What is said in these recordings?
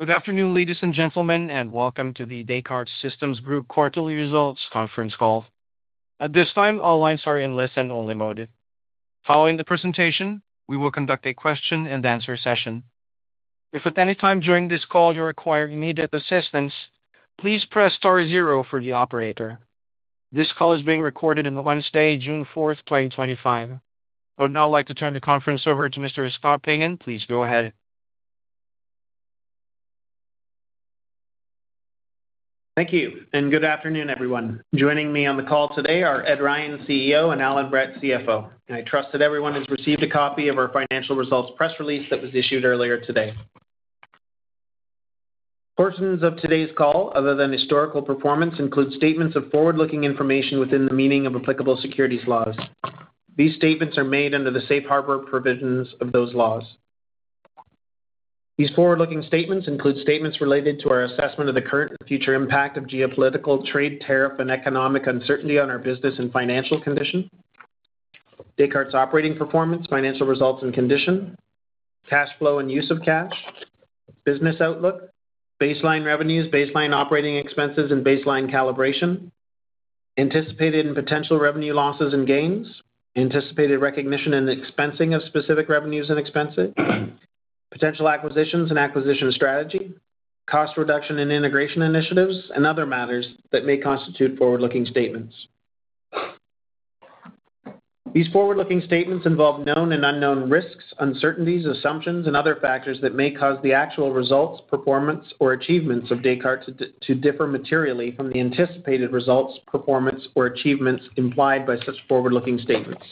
Good afternoon, ladies and gentlemen, and welcome to the Descartes Systems Group Quarterly Results Conference Call. At this time, all lines are in listen-only mode. Following the presentation, we will conduct a Q&A session. If at any time during this call you require immediate assistance, please press star zero for the operator. This call is being recorded on Wednesday, June 4th, 2025. I would now like to turn the conference over to Mr. Scott Pagan. Please go ahead. Thank you, and good afternoon, everyone. Joining me on the call today are Ed Ryan, CEO, and Allan Brett, CFO. I trust that everyone has received a copy of our financial results press release that was issued earlier today. Portions of today's call, other than historical performance, include statements of forward-looking information within the meaning of applicable securities laws. These statements are made under the safe harbor provisions of those laws. These forward-looking statements include statements related to our assessment of the current and future impact of geopolitical, trade, tariff, and economic uncertainty on our business and financial condition, Descartes operating performance, financial results and condition, cash flow and use of cash, business outlook, baseline revenues, baseline operating expenses, and baseline calibration, anticipated and potential revenue losses and gains, anticipated recognition and expensing of specific revenues and expenses, potential acquisitions and acquisition strategy, cost reduction and integration initiatives, and other matters that may constitute forward-looking statements. These forward-looking statements involve known and unknown risks, uncertainties, assumptions, and other factors that may cause the actual results, performance, or achievements of Descartes to differ materially from the anticipated results, performance, or achievements implied by such forward-looking statements.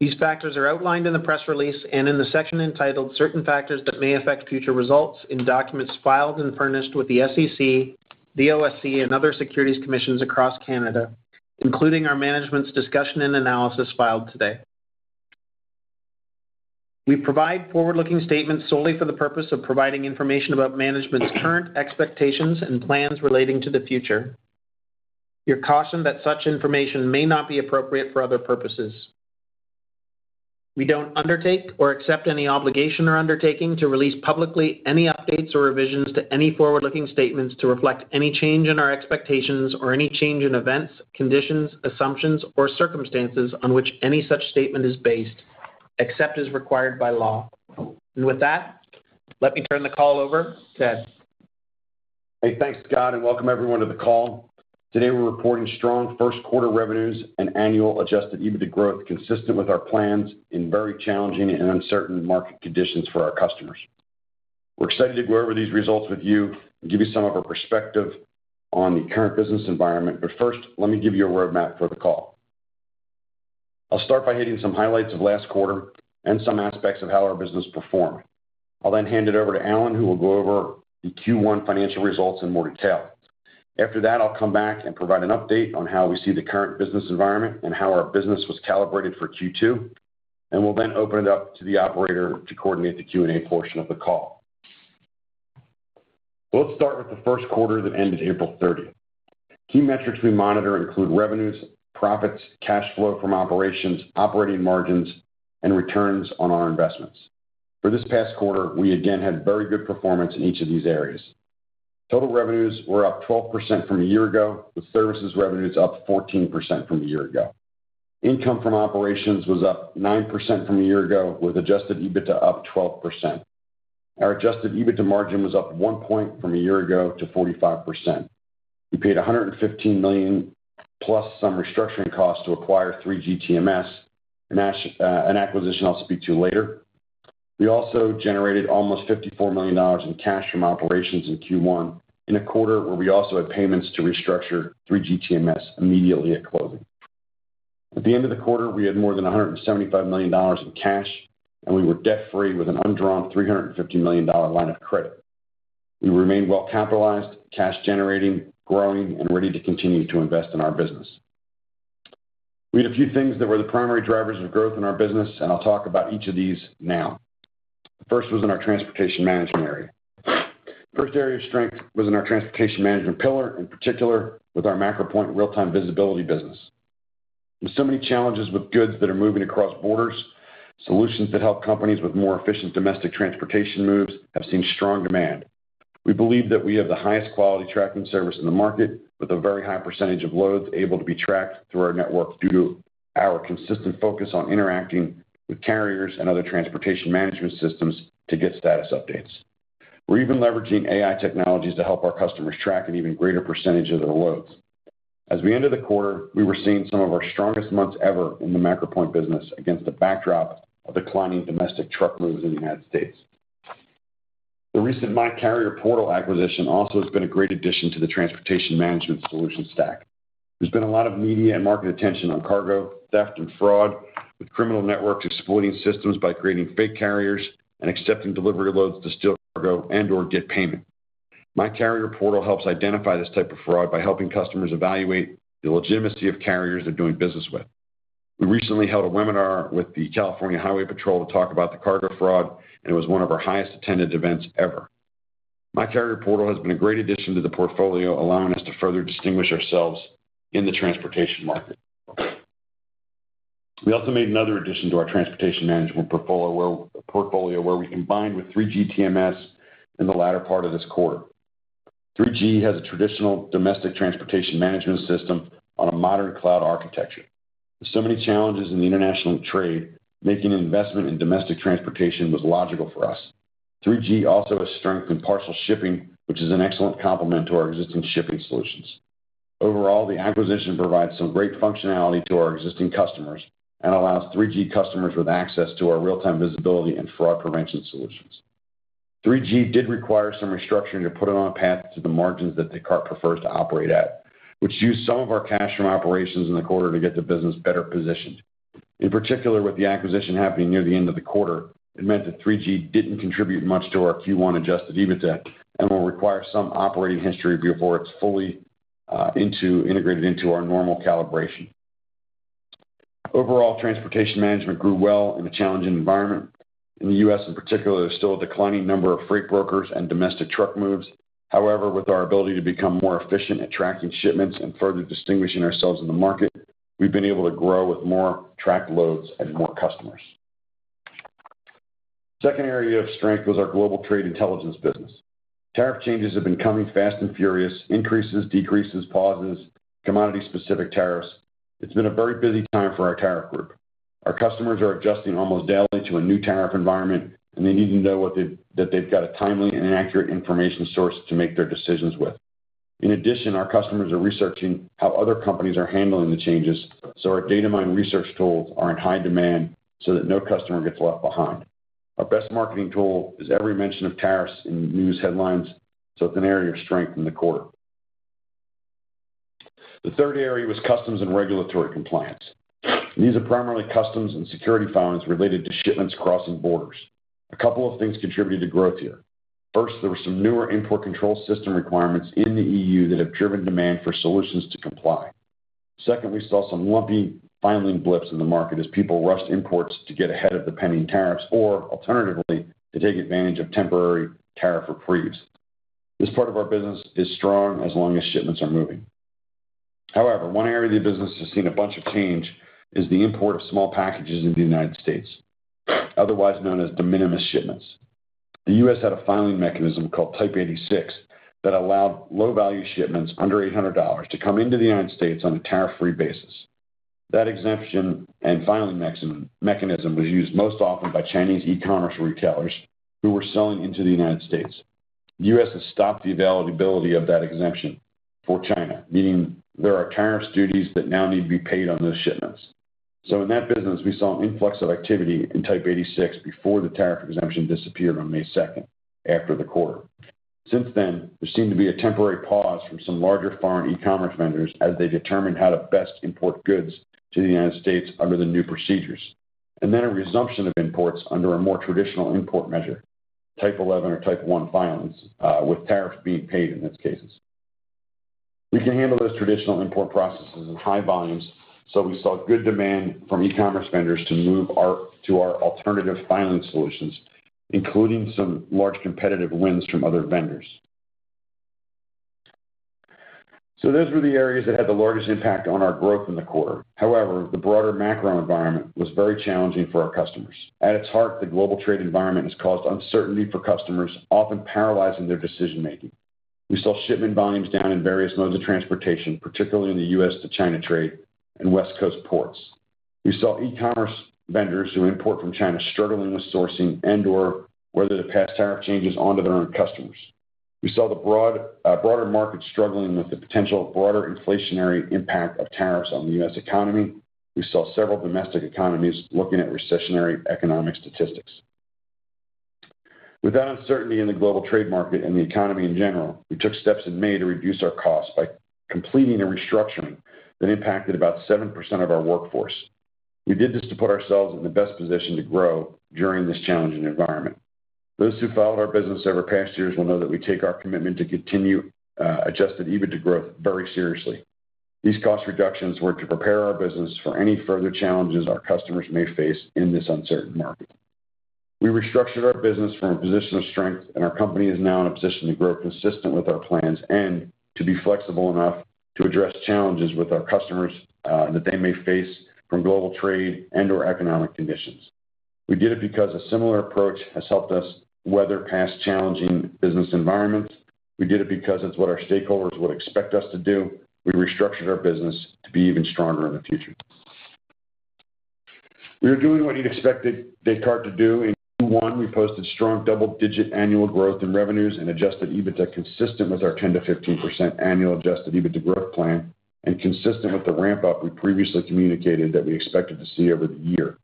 These factors are outlined in the press release and in the section entitled "Certain Factors That May Affect Future Results" in documents filed and furnished with the SEC, the OSC, and other securities commissions across Canada, including our management's discussion and analysis filed today. We provide forward-looking statements solely for the purpose of providing information about management's current expectations and plans relating to the future. We are cautioned that such information may not be appropriate for other purposes. We don't undertake or accept any obligation or undertaking to release publicly any updates or revisions to any forward-looking statements to reflect any change in our expectations or any change in events, conditions, assumptions, or circumstances on which any such statement is based, except as required by law. With that, let me turn the call over to Ed. Hey, thanks, Scott, and welcome everyone to the call. Today we're reporting strong first quarter revenues and annual adjusted EBITDA growth consistent with our plans in very challenging and uncertain market conditions for our customers. We're excited to go over these results with you and give you some of our perspective on the current business environment, but first, let me give you a roadmap for the call. I'll start by hitting some highlights of last quarter and some aspects of how our business performed. I'll then hand it over to Allan, who will go over the Q1 financial results in more detail. After that, I'll come back and provide an update on how we see the current business environment and how our business was calibrated for Q2, and we'll then open it up to the operator to coordinate the Q&A portion of the call. Let's start with the first quarter that ended April 30th. Key metrics we monitor include revenues, profits, cash flow from operations, operating margins, and returns on our investments. For this past quarter, we again had very good performance in each of these areas. Total revenues were up 12% from a year ago, with services revenues up 14% from a year ago. Income from operations was up 9% from a year ago, with adjusted EBITDA up 12%. Our adjusted EBITDA margin was up one percentage point from a year ago to 45%. We paid $115 million plus some restructuring costs to acquire 3GTMS, an acquisition I'll speak to later. We also generated almost $54 million in cash from operations in Q1 in a quarter where we also had payments to restructure 3GTMS immediately at closing. At the end of the quarter, we had more than $175 million in cash, and we were debt-free with an undrawn $350 million line of credit. We remained well-capitalized, cash-generating, growing, and ready to continue to invest in our business. We had a few things that were the primary drivers of growth in our business, and I'll talk about each of these now. The first was in our transportation management area. The first area of strength was in our transportation management pillar, in particular with our MacroPoint real-time visibility business. With so many challenges with goods that are moving across borders, solutions that help companies with more efficient domestic transportation moves have seen strong demand. We believe that we have the highest quality tracking service in the market, with a very high percentage of loads able to be tracked through our network due to our consistent focus on interacting with carriers and other transportation management systems to get status updates. We're even leveraging AI technologies to help our customers track an even greater percentage of their loads. As we ended the quarter, we were seeing some of our strongest months ever in the MacroPoint business against a backdrop of declining domestic truck moves in the United States. The recent MyCarrierPortal acquisition also has been a great addition to the transportation management solution stack. There's been a lot of media and market attention on cargo theft and fraud, with criminal networks exploiting systems by creating fake carriers and accepting delivery loads to steal cargo and/or get payment. MyCarrierPortal helps identify this type of fraud by helping customers evaluate the legitimacy of carriers they're doing business with. We recently held a webinar with the California Highway Patrol to talk about the cargo fraud, and it was one of our highest attended events ever. MyCarrierPortal has been a great addition to the portfolio, allowing us to further distinguish ourselves in the transportation market. We also made another addition to our transportation management portfolio where we combined with 3GTMS in the latter part of this quarter. 3GTMS has a traditional domestic transportation management system on a modern cloud architecture. With so many challenges in international trade, making an investment in domestic transportation was logical for us. 3GTMS also has strength in partial shipping, which is an excellent complement to our existing shipping solutions. Overall, the acquisition provides some great functionality to our existing customers and allows 3GTMS customers with access to our real-time visibility and fraud prevention solutions. 3GTMS did require some restructuring to put it on a path to the margins that Descartes prefers to operate at, which used some of our cash from operations in the quarter to get the business better positioned. In particular, with the acquisition happening near the end of the quarter, it meant that 3GTMS did not contribute much to our Q1 adjusted EBITDA and will require some operating history before it is fully integrated into our normal calibration. Overall, transportation management grew well in a challenging environment. In the U.S., in particular, there is still a declining number of freight brokers and domestic truck moves. However, with our ability to become more efficient at tracking shipments and further distinguishing ourselves in the market, we've been able to grow with more tracked loads and more customers. The second area of strength was our Global Trade Intelligence business. Tariff changes have been coming fast and furious: increases, decreases, pauses, commodity-specific tariffs. It's been a very busy time for our tariff group. Our customers are adjusting almost daily to a new tariff environment, and they need to know that they've got a timely and accurate information source to make their decisions with. In addition, our customers are researching how other companies are handling the changes, so our data-mined research tools are in high demand so that no customer gets left behind. Our best marketing tool is every mention of tariffs in news headlines, so it's an area of strength in the quarter. The third area was customs and regulatory compliance. These are primarily customs and security fines related to shipments crossing borders. A couple of things contributed to growth here. First, there were some newer import control system requirements in the European Union that have driven demand for solutions to comply. Second, we saw some lumpy filing blips in the market as people rushed imports to get ahead of the pending tariffs or, alternatively, to take advantage of temporary tariff reprieves. This part of our business is strong as long as shipments are moving. However, one area of the business that has seen a bunch of change is the import of small packages in the United States, otherwise known as de minimis shipments. The U.S. had a filing mechanism called Type 86 that allowed low-value shipments under $800 to come into the United States on a tariff-free basis. That exemption and filing mechanism was used most often by Chinese e-commerce retailers who were selling into the United States. The U.S. has stopped the availability of that exemption for China, meaning there are tariff duties that now need to be paid on those shipments. In that business, we saw an influx of activity in Type 86 before the tariff exemption disappeared on May 2nd after the quarter. Since then, there seemed to be a temporary pause from some larger foreign e-commerce vendors as they determined how to best import goods to the United States under the new procedures, and then a resumption of imports under a more traditional import measure, Type 11 or Type 1 filings, with tariffs being paid in those cases. We can handle those traditional import processes in high volumes, so we saw good demand from e-commerce vendors to move to our alternative filing solutions, including some large competitive wins from other vendors. Those were the areas that had the largest impact on our growth in the quarter. However, the broader macro environment was very challenging for our customers. At its heart, the global trade environment has caused uncertainty for customers, often paralyzing their decision-making. We saw shipment volumes down in various modes of transportation, particularly in the U.S. to China trade and West Coast ports. We saw e-commerce vendors who import from China struggling with sourcing and/or whether to pass tariff changes onto their own customers. We saw the broader market struggling with the potential broader inflationary impact of tariffs on the U.S. economy. We saw several domestic economies looking at recessionary economic statistics. With that uncertainty in the global trade market and the economy in general, we took steps in May to reduce our costs by completing a restructuring that impacted about 7% of our workforce. We did this to put ourselves in the best position to grow during this challenging environment. Those who followed our business over past years will know that we take our commitment to continue adjusted EBITDA growth very seriously. These cost reductions were to prepare our business for any further challenges our customers may face in this uncertain market. We restructured our business from a position of strength, and our company is now in a position to grow consistent with our plans and to be flexible enough to address challenges with our customers that they may face from global trade and/or economic conditions. We did it because a similar approach has helped us weather past challenging business environments. We did it because it's what our stakeholders would expect us to do. We restructured our business to be even stronger in the future. We are doing what you'd expect Descartes to do. In Q1, we posted strong double-digit annual growth in revenues and adjusted EBITDA consistent with our 10%-15% annual adjusted EBITDA growth plan and consistent with the ramp-up we previously communicated that we expected to see over the year.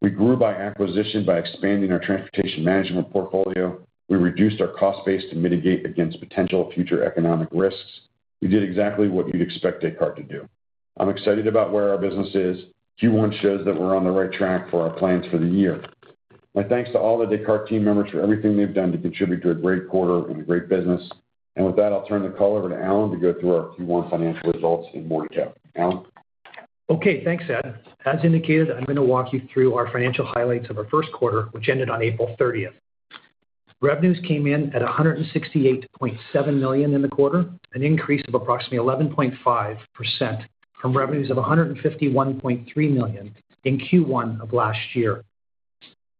We grew by acquisition by expanding our transportation management portfolio. We reduced our cost base to mitigate against potential future economic risks. We did exactly what you'd expect Descartes to do. I'm excited about where our business is. Q1 shows that we're on the right track for our plans for the year. My thanks to all the Descartes team members for everything they've done to contribute to a great quarter and a great business. With that, I'll turn the call over to Allan to go through our Q1 financial results in more detail. Allan. Okay, thanks, Ed. As indicated, I'm going to walk you through our financial highlights of our first quarter, which ended on April 30th. Revenues came in at $168.7 million in the quarter, an increase of approximately 11.5% from revenues of $151.3 million in Q1 of last year.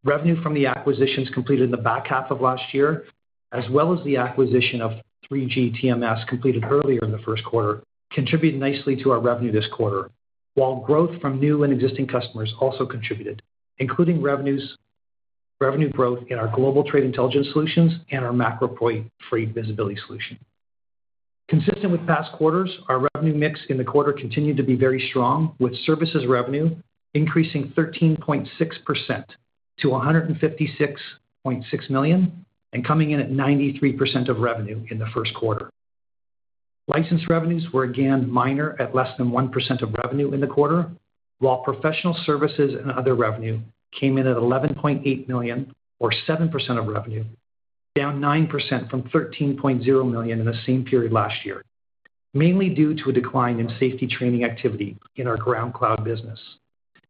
Revenue from the acquisitions completed in the back half of last year, as well as the acquisition of 3GTMS completed earlier in the first quarter, contributed nicely to our revenue this quarter, while growth from new and existing customers also contributed, including revenue growth in our Global Trade Intelligence solutions and our MacroPoint free visibility solution. Consistent with past quarters, our revenue mix in the quarter continued to be very strong, with services revenue increasing 13.6% to $156.6 million and coming in at 93% of revenue in the first quarter. License revenues were again minor at less than 1% of revenue in the quarter, while professional services and other revenue came in at $11.8 million, or 7% of revenue, down 9% from $13.0 million in the same period last year, mainly due to a decline in safety training activity in our GroundCloud business.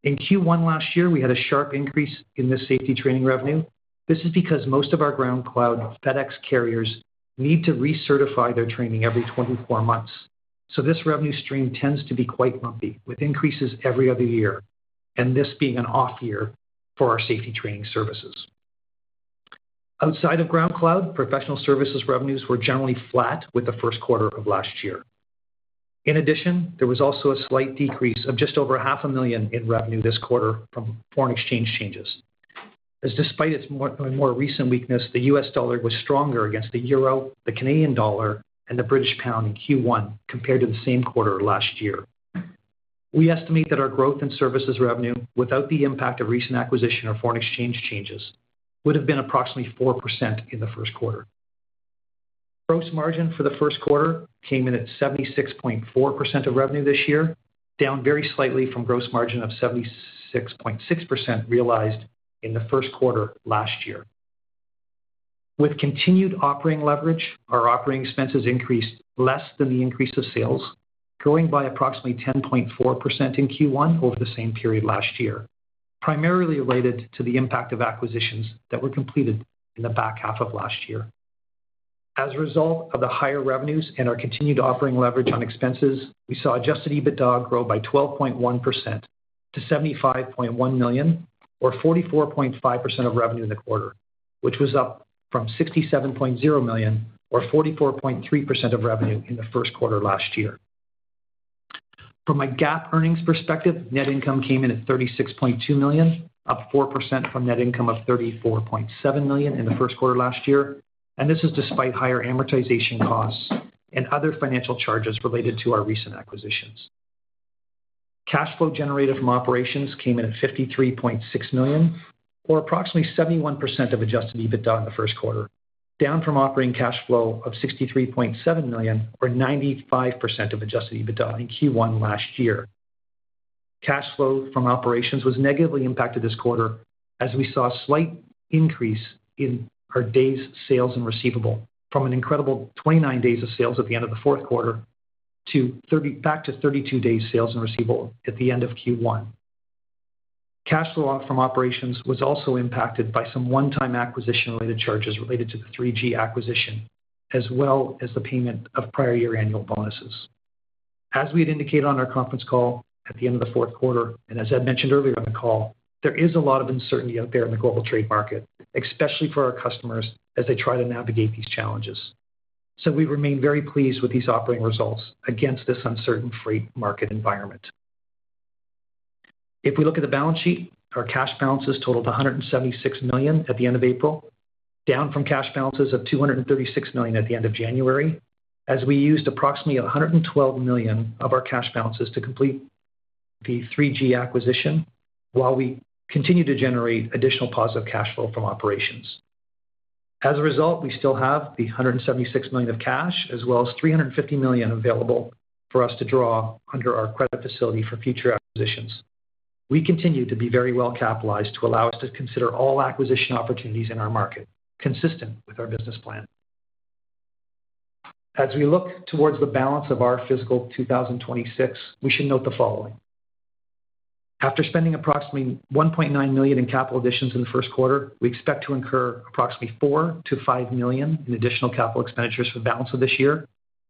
In Q1 last year, we had a sharp increase in this safety training revenue. This is because most of our GroundCloud FedEx carriers need to recertify their training every 24 months. This revenue stream tends to be quite lumpy, with increases every other year, and this being an off-year for our safety training services. Outside of GroundCloud, professional services revenues were generally flat with the first quarter of last year. In addition, there was also a slight decrease of just over $500,000 in revenue this quarter from foreign exchange changes, as despite its more recent weakness, the US dollar was stronger against the Euro, the Canadian dollar, and the British pound in Q1 compared to the same quarter last year. We estimate that our growth in services revenue, without the impact of recent acquisition or foreign exchange changes, would have been approximately 4% in the first quarter. Gross margin for the first quarter came in at 76.4% of revenue this year, down very slightly from gross margin of 76.6% realized in the first quarter last year. With continued operating leverage, our operating expenses increased less than the increase of sales, growing by approximately 10.4% in Q1 over the same period last year, primarily related to the impact of acquisitions that were completed in the back half of last year. As a result of the higher revenues and our continued operating leverage on expenses, we saw adjusted EBITDA grow by 12.1% to $75.1 million, or 44.5% of revenue in the quarter, which was up from $67.0 million, or 44.3% of revenue in the first quarter last year. From a GAAP earnings perspective, net income came in at $36.2 million, up 4% from net income of $34.7 million in the first quarter last year, and this is despite higher amortization costs and other financial charges related to our recent acquisitions. Cash flow generated from operations came in at $53.6 million, or approximately 71% of adjusted EBITDA in the first quarter, down from operating cash flow of $63.7 million, or 95% of adjusted EBITDA in Q1 last year. Cash flow from operations was negatively impacted this quarter, as we saw a slight increase in our days sales and receivable from an incredible 29 days of sales at the end of the fourth quarter to back to 32 days sales and receivable at the end of Q1. Cash flow from operations was also impacted by some one-time acquisition-related charges related to the 3GTMS acquisition, as well as the payment of prior year annual bonuses. As we had indicated on our conference call at the end of the fourth quarter, and as Ed mentioned earlier on the call, there is a lot of uncertainty out there in the global trade market, especially for our customers as they try to navigate these challenges. We remain very pleased with these operating results against this uncertain freight market environment. If we look at the balance sheet, our cash balances totaled $176 million at the end of April, down from cash balances of $236 million at the end of January, as we used approximately $112 million of our cash balances to complete the 3GTMS acquisition while we continue to generate additional positive cash flow from operations. As a result, we still have the $176 million of cash, as well as $350 million available for us to draw under our credit facility for future acquisitions. We continue to be very well capitalized to allow us to consider all acquisition opportunities in our market, consistent with our business plan. As we look towards the balance of our fiscal 2026, we should note the following. After spending approximately $1.9 million in capital additions in the first quarter, we expect to incur approximately $4 million-$5 million in additional capital expenditures for the balance of this year,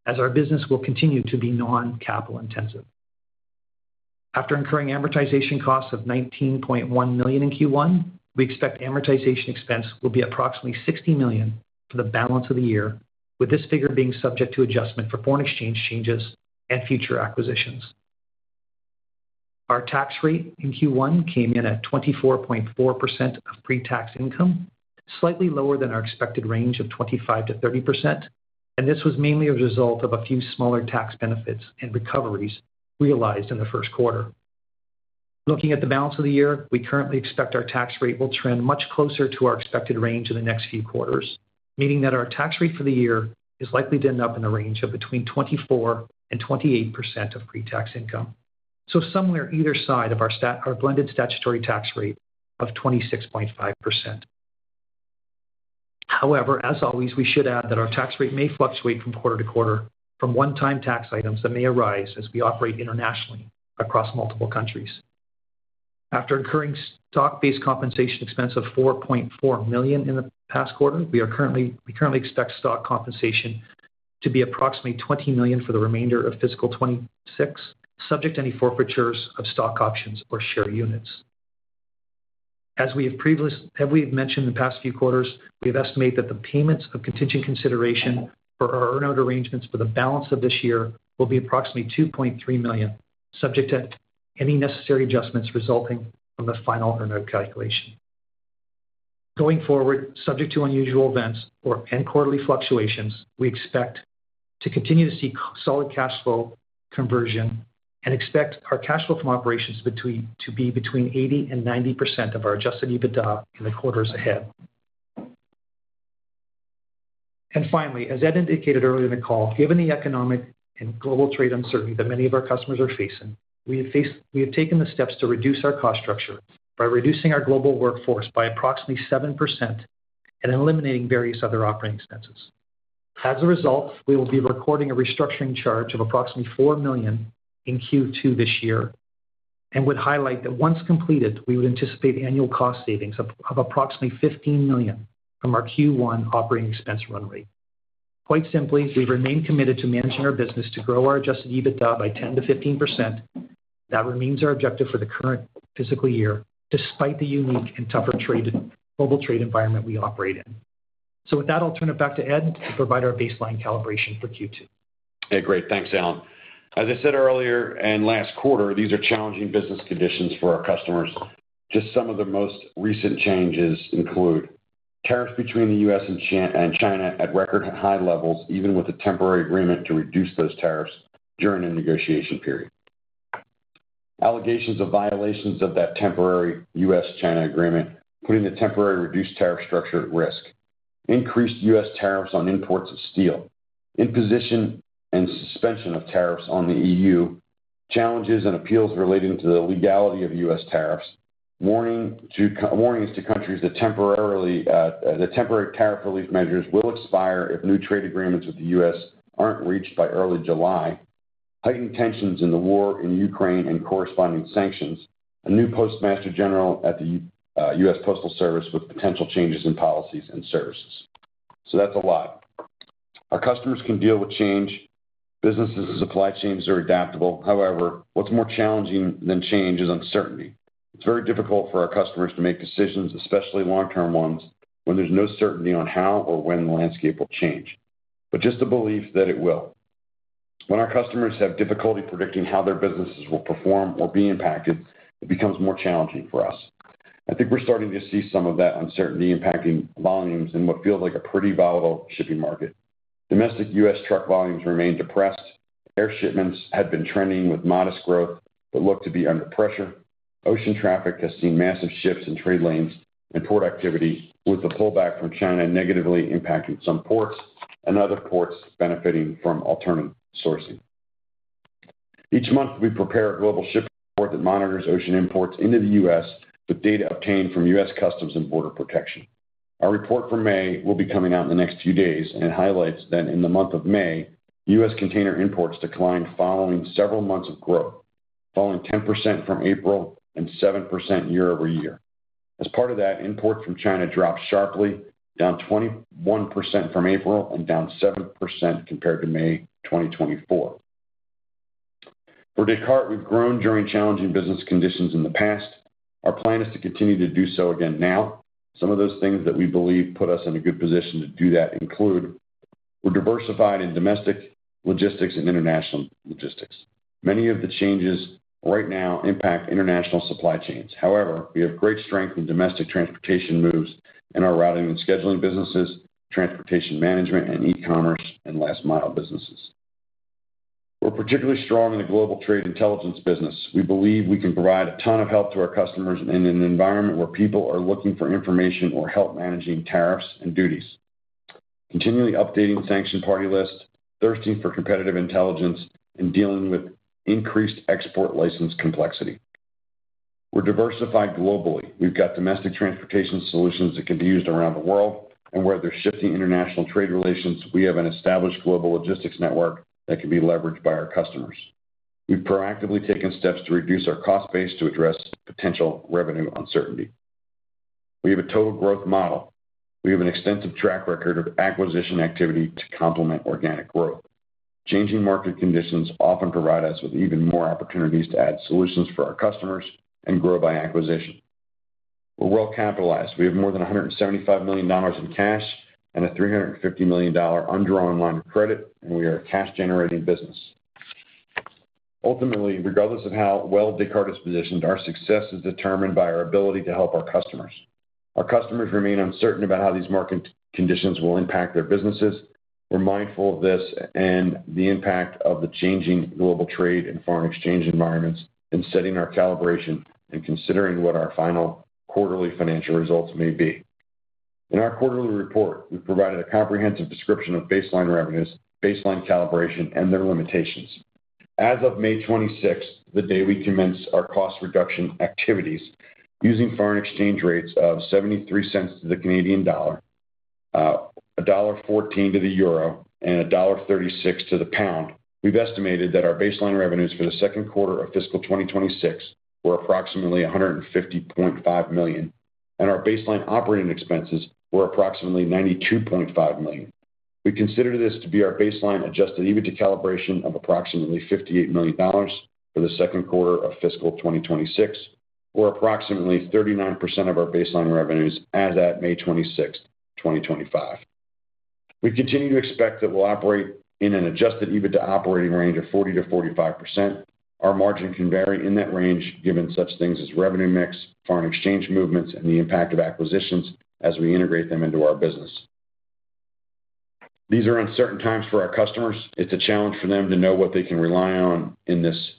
as our business will continue to be non-capital intensive. After incurring amortization costs of $19.1 million in Q1, we expect amortization expense will be approximately $60 million for the balance of the year, with this figure being subject to adjustment for foreign exchange changes and future acquisitions. Our tax rate in Q1 came in at 24.4% of pre-tax income, slightly lower than our expected range of 25%-30%, and this was mainly a result of a few smaller tax benefits and recoveries realized in the first quarter. Looking at the balance of the year, we currently expect our tax rate will trend much closer to our expected range in the next few quarters, meaning that our tax rate for the year is likely to end up in a range of between 24%-28% of pre-tax income. Somewhere either side of our blended statutory tax rate of 26.5%. However, as always, we should add that our tax rate may fluctuate from quarter to quarter from one-time tax items that may arise as we operate internationally across multiple countries. After incurring stock-based compensation expense of $4.4 million in the past quarter, we currently expect stock compensation to be approximately $20 million for the remainder of fiscal 2026, subject to any forfeitures of stock options or share units. As we have mentioned in the past few quarters, we have estimated that the payments of contingent consideration for our earn-out arrangements for the balance of this year will be approximately $2.3 million, subject to any necessary adjustments resulting from the final earn-out calculation. Going forward, subject to unusual events or quarterly fluctuations, we expect to continue to see solid cash flow conversion and expect our cash flow from operations to be between 80%-90% of our adjusted EBITDA in the quarters ahead. As Ed indicated earlier in the call, given the economic and global trade uncertainty that many of our customers are facing, we have taken the steps to reduce our cost structure by reducing our global workforce by approximately 7% and eliminating various other operating expenses. As a result, we will be recording a restructuring charge of approximately $4 million in Q2 this year and would highlight that once completed, we would anticipate annual cost savings of approximately $15 million from our Q1 operating expense run rate. Quite simply, we remain committed to managing our business to grow our adjusted EBITDA by 10%-15%. That remains our objective for the current fiscal year, despite the unique and tougher global trade environment we operate in. With that, I'll turn it back to Ed to provide our baseline calibration for Q2. Yeah, great. Thanks, Allan. As I said earlier, in last quarter, these are challenging business conditions for our customers. Just some of the most recent changes include tariffs between the U.S. and China at record high levels, even with a temporary agreement to reduce those tariffs during the negotiation period. Allegations of violations of that temporary U.S.-China agreement, putting the temporary reduced tariff structure at risk. Increased U.S. tariffs on imports of steel. Imposition and suspension of tariffs on the European Union. Challenges and appeals relating to the legality of U.S. tariffs. Warnings to countries that temporary tariff relief measures will expire if new trade agreements with the U.S. aren't reached by early July. Heightened tensions in the war in Ukraine and corresponding sanctions. A new Postmaster General at the U.S. Postal Service with potential changes in policies and services. That's a lot. Our customers can deal with change. Businesses and supply chains are adaptable. However, what's more challenging than change is uncertainty. It's very difficult for our customers to make decisions, especially long-term ones, when there's no certainty on how or when the landscape will change. Just the belief that it will. When our customers have difficulty predicting how their businesses will perform or be impacted, it becomes more challenging for us. I think we're starting to see some of that uncertainty impacting volumes in what feels like a pretty volatile shipping market. Domestic U.S. truck volumes remain depressed. Air shipments had been trending with modest growth but look to be under pressure. Ocean traffic has seen massive shifts in trade lanes and port activity, with the pullback from China negatively impacting some ports and other ports benefiting from alternative sourcing. Each month, we prepare a global shipping report that monitors ocean imports into the U.S. with data obtained from U.S. Customs and Border Protection. Our report for May will be coming out in the next few days, and it highlights that in the month of May, U.S. container imports declined following several months of growth, falling 10% from April and 7% year over year. As part of that, imports from China dropped sharply, down 21% from April and down 7% compared to May 2024. For Descartes, we've grown during challenging business conditions in the past. Our plan is to continue to do so again now. Some of those things that we believe put us in a good position to do that include we're diversified in domestic logistics and international logistics. Many of the changes right now impact international supply chains. However, we have great strength in domestic transportation moves in our routing and scheduling businesses, transportation management, and e-commerce and last-mile businesses. We're particularly strong in the Global Trade Intelligence business. We believe we can provide a ton of help to our customers in an environment where people are looking for information or help managing tariffs and duties. Continually updating sanctioned party lists, thirsting for competitive intelligence, and dealing with increased export license complexity. We're diversified globally. We've got domestic transportation solutions that can be used around the world, and where there's shifting international trade relations, we have an established global logistics network that can be leveraged by our customers. We've proactively taken steps to reduce our cost base to address potential revenue uncertainty. We have a total growth model. We have an extensive track record of acquisition activity to complement organic growth. Changing market conditions often provide us with even more opportunities to add solutions for our customers and grow by acquisition. We're well capitalized. We have more than $175 million in cash and a $350 million underwriting line of credit, and we are a cash-generating business. Ultimately, regardless of how well Descartes is positioned, our success is determined by our ability to help our customers. Our customers remain uncertain about how these market conditions will impact their businesses. We're mindful of this and the impact of the changing global trade and foreign exchange environments in setting our calibration and considering what our final quarterly financial results may be. In our quarterly report, we provided a comprehensive description of baseline revenues, baseline calibration, and their limitations. As of May 26th, the day we commence our cost reduction activities, using foreign exchange rates of $0.73 to the Canadian dollar, $1.14 to the euro, and $1.36 to the pound, we've estimated that our baseline revenues for the second quarter of fiscal 2026 were approximately $150.5 million, and our baseline operating expenses were approximately $92.5 million. We consider this to be our baseline adjusted EBITDA calibration of approximately $58 million for the second quarter of fiscal 2026, or approximately 39% of our baseline revenues as at May 26, 2025. We continue to expect that we'll operate in an adjusted EBITDA operating range of 40%-45%. Our margin can vary in that range, given such things as revenue mix, foreign exchange movements, and the impact of acquisitions as we integrate them into our business. These are uncertain times for our customers. It's a challenge for them to know what they can rely on in this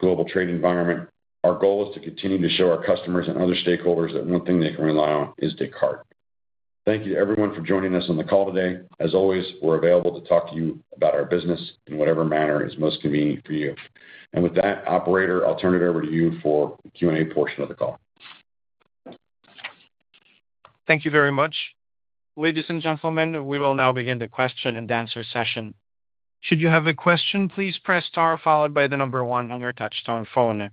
global trade environment. Our goal is to continue to show our customers and other stakeholders that one thing they can rely on is Descartes. Thank you to everyone for joining us on the call today. As always, we're available to talk to you about our business in whatever manner is most convenient for you. With that, Operator, I'll turn it over to you for the Q&A portion of the call. Thank you very much. Ladies and gentlemen, we will now begin the question and answer session. Should you have a question, please press star followed by the number one on your touch-tone phone.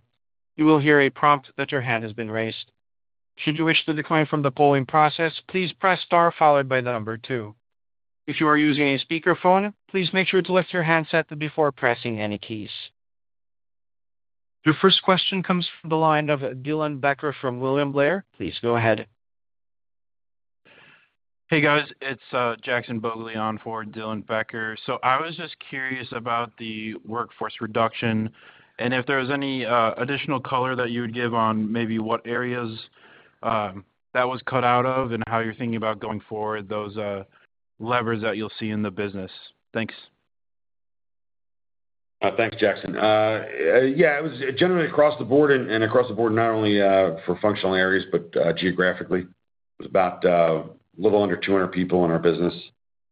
You will hear a prompt that your hand has been raised. Should you wish to decline from the polling process, please press star followed by the number two. If you are using a speakerphone, please make sure to lift your handset before pressing any keys. Your first question comes from the line of Dylan Becker from William Blair. Please go ahead. Hey, guys. It's Jackson Bogli on for Dylan Becker. I was just curious about the workforce reduction and if there was any additional color that you would give on maybe what areas that was cut out of and how you're thinking about going forward, those levers that you'll see in the business. Thanks. Thanks, Jackson. Yeah, it was generally across the board and across the board, not only for functional areas, but geographically. It was about a little under 200 people in our business,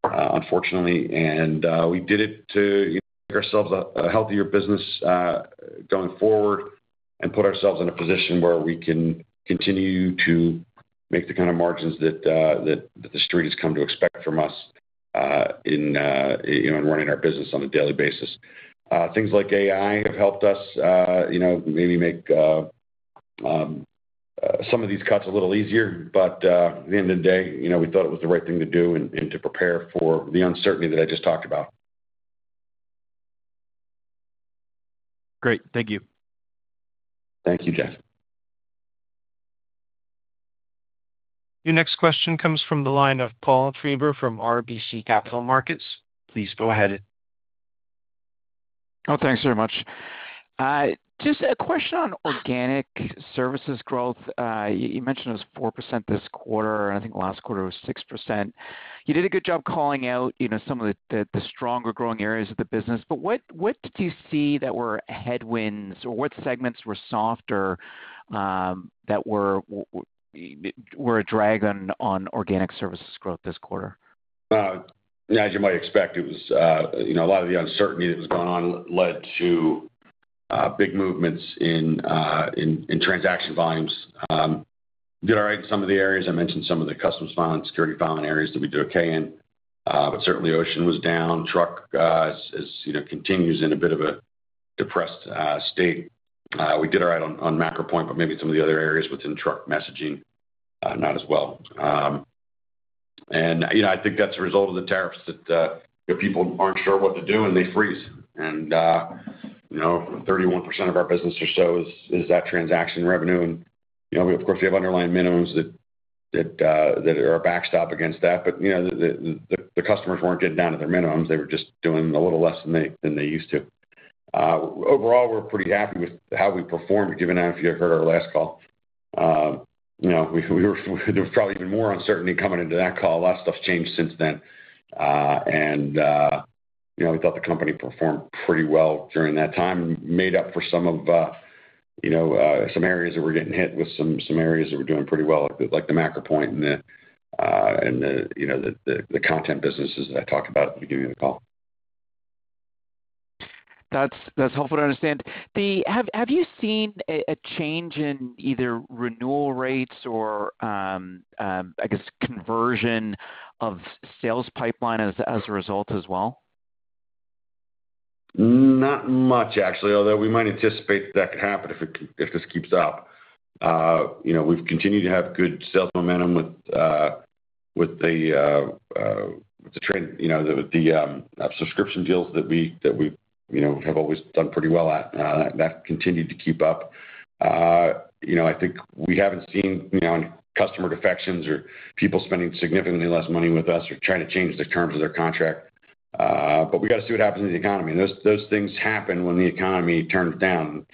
unfortunately. We did it to make ourselves a healthier business going forward and put ourselves in a position where we can continue to make the kind of margins that the street has come to expect from us in running our business on a daily basis. Things like AI have helped us maybe make some of these cuts a little easier, but at the end of the day, we thought it was the right thing to do and to prepare for the uncertainty that I just talked about. Great. Thank you. Thank you, Jackson. Your next question comes from the line of Paul Treiber from RBC Capital Markets. Please go ahead. Oh, thanks very much. Just a question on organic services growth. You mentioned it was 4% this quarter, and I think last quarter it was 6%. You did a good job calling out some of the stronger growing areas of the business, but what did you see that were headwinds or what segments were softer that were a drag on organic services growth this quarter? As you might expect, it was a lot of the uncertainty that was going on led to big movements in transaction volumes. We did all right in some of the areas. I mentioned some of the customs filing and security filing areas that we did okay in, but certainly ocean was down. Truck continues in a bit of a depressed state. We did all right on MacroPoint, but maybe some of the other areas within truck messaging, not as well. I think that's a result of the tariffs that people aren't sure what to do, and they freeze. 31% of our business or so is that transaction revenue. Of course, we have underlying minimums that are a backstop against that, but the customers weren't getting down to their minimums. They were just doing a little less than they used to. Overall, we're pretty happy with how we performed, given if you heard our last call. There was probably even more uncertainty coming into that call. A lot of stuff changed since then. We thought the company performed pretty well during that time and made up for some areas that were getting hit with some areas that were doing pretty well, like the MacroPoint and the content businesses that I talked about at the beginning of the call. That's helpful to understand. Have you seen a change in either renewal rates or, I guess, conversion of sales pipeline as a result as well? Not much, actually, although we might anticipate that could happen if this keeps up. We've continued to have good sales momentum with the subscription deals that we have always done pretty well at. That continued to keep up. I think we haven't seen customer defections or people spending significantly less money with us or trying to change the terms of their contract. We got to see what happens in the economy. Those things happen when the economy turns down.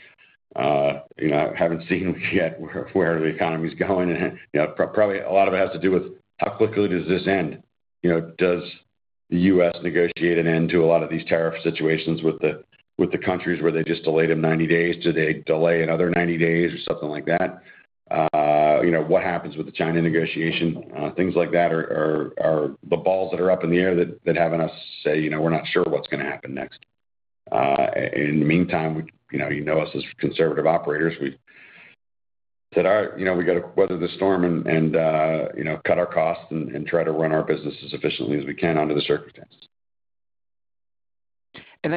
Haven't seen yet where the economy's going. Probably a lot of it has to do with how quickly does this end? Does the U.S. negotiate an end to a lot of these tariff situations with the countries where they just delayed them 90 days? Do they delay another 90 days or something like that? What happens with the China negotiation? Things like that are the balls that are up in the air that have us say, "We're not sure what's going to happen next." In the meantime, you know us as conservative operators. We said, "All right, we got to weather the storm and cut our costs and try to run our business as efficiently as we can under the circumstances.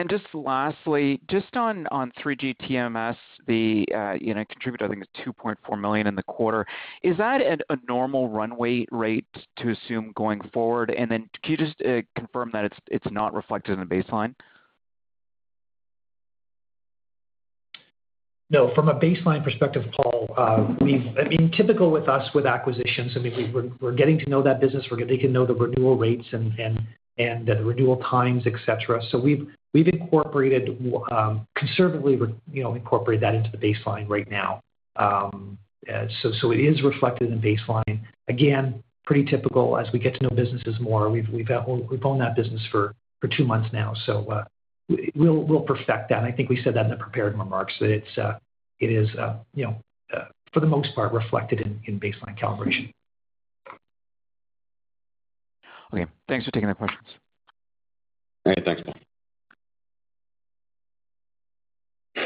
Just lastly, just on 3GTMS, the contributor, I think it's $2.4 million in the quarter. Is that a normal runway rate to assume going forward? Can you just confirm that it's not reflected in the baseline? No, from a baseline perspective, Paul, I mean, typical with us with acquisitions, I mean, we're getting to know that business. We're getting to know the renewal rates and the renewal times, etc. So we've conservatively incorporated that into the baseline right now. It is reflected in the baseline. Again, pretty typical as we get to know businesses more. We've owned that business for two months now, so we'll perfect that. I think we said that in the prepared remarks that it is, for the most part, reflected in baseline calibration. Okay. Thanks for taking the questions. All right. Thanks, Paul.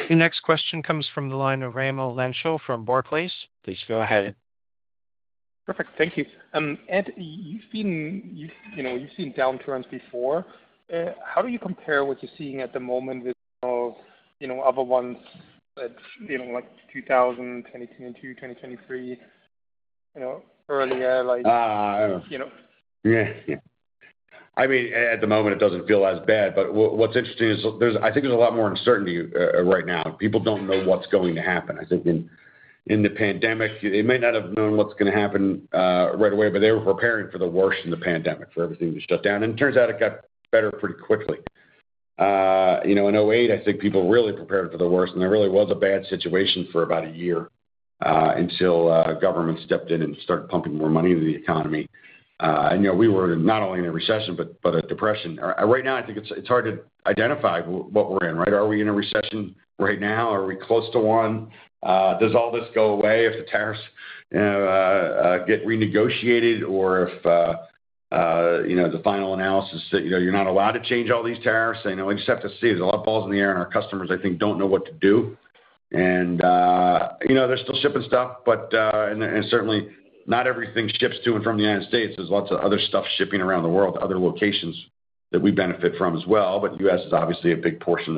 Your next question comes from the line of Raimo Lenschow from Barclays. Please go ahead. Perfect. Thank you. Ed, you've seen downturns before. How do you compare what you're seeing at the moment with other ones like 2022-2023, earlier? Yeah. I mean, at the moment, it doesn't feel as bad, but what's interesting is I think there's a lot more uncertainty right now. People don't know what's going to happen. I think in the pandemic, they may not have known what's going to happen right away, but they were preparing for the worst in the pandemic for everything to shut down. It turns out it got better pretty quickly. In 2008, I think people really prepared for the worst, and there really was a bad situation for about a year until government stepped in and started pumping more money into the economy. We were not only in a recession, but a depression. Right now, I think it's hard to identify what we're in, right? Are we in a recession right now? Are we close to one? Does all this go away if the tariffs get renegotiated or if the final analysis that you're not allowed to change all these tariffs? I just have to see. There's a lot of balls in the air, and our customers, I think, don't know what to do. They're still shipping stuff, and certainly not everything ships to and from the United States. There is lots of other stuff shipping around the world, other locations that we benefit from as well. The U.S. is obviously a big portion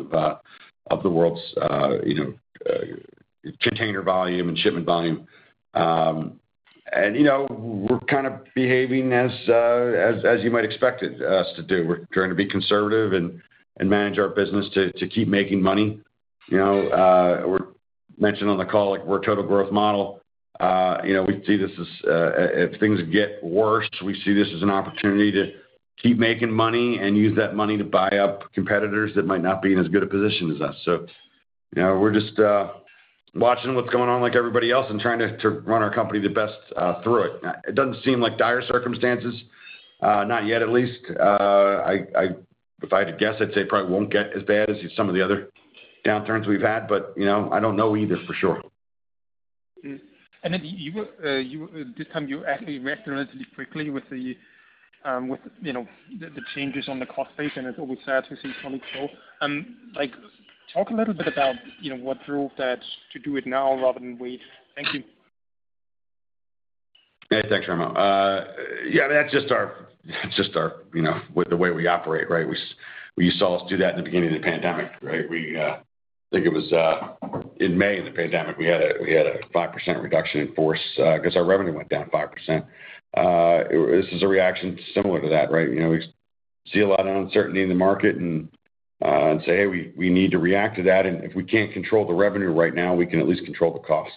of the world's container volume and shipment volume. We're kind of behaving as you might expect us to do. We're trying to be conservative and manage our business to keep making money. We mentioned on the call, we're a total growth model. We see this as if things get worse, we see this as an opportunity to keep making money and use that money to buy up competitors that might not be in as good a position as us. We are just watching what is going on like everybody else and trying to run our company the best through it. It does not seem like dire circumstances, not yet at least. If I had to guess, I would say probably will not get as bad as some of the other downturns we have had, but I do not know either for sure. This time, you reacted relatively quickly with the changes on the cost base, and it's always sad to see something. Talk a little bit about what drove that to do it now rather than wait. Thank you. Hey, thanks, Raimo. Yeah, that's just our with the way we operate, right? You saw us do that in the beginning of the pandemic, right? I think it was in May of the pandemic, we had a 5% reduction in force because our revenue went down 5%. This is a reaction similar to that, right? We see a lot of uncertainty in the market and say, "Hey, we need to react to that." If we can't control the revenue right now, we can at least control the cost.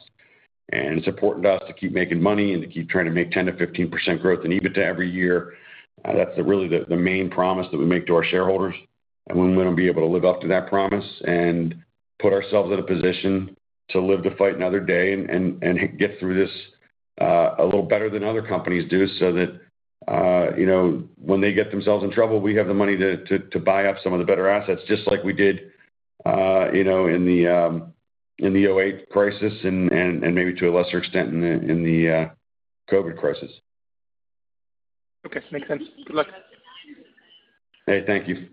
It's important to us to keep making money and to keep trying to make 10-15% growth in EBITDA every year. That's really the main promise that we make to our shareholders. We want to be able to live up to that promise and put ourselves in a position to live to fight another day and get through this a little better than other companies do so that when they get themselves in trouble, we have the money to buy up some of the better assets just like we did in the 2008 crisis and maybe to a lesser extent in the COVID crisis. Okay. Makes sense. Good luck. Hey, thank you.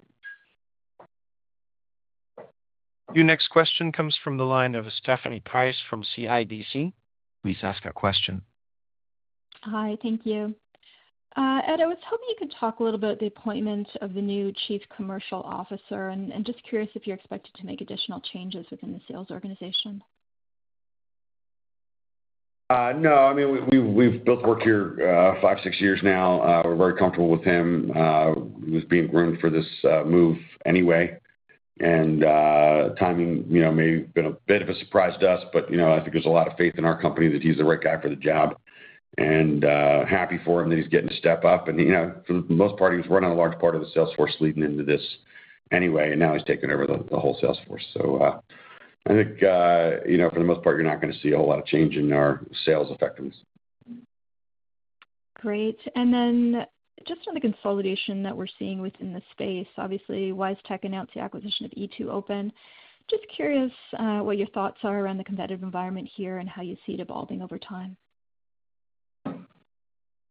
Your next question comes from the line of Stephanie Price from CIBC. Please ask a question. Hi, thank you. Ed, I was hoping you could talk a little about the appointment of the new Chief Commercial Officer and just curious if you're expected to make additional changes within the sales organization. No, I mean, we've built work here five, six years now. We're very comfortable with him. He was being groomed for this move anyway. Timing may have been a bit of a surprise to us, but I think there's a lot of faith in our company that he's the right guy for the job and happy for him that he's getting to step up. For the most part, he was running a large part of the Salesforce leading into this anyway, and now he's taking over the whole Salesforce. I think for the most part, you're not going to see a whole lot of change in our sales effectiveness. Great. Just on the consolidation that we're seeing within the space, obviously, WiseTech announced the acquisition of E2Open. Just curious what your thoughts are around the competitive environment here and how you see it evolving over time.